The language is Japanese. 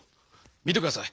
見てください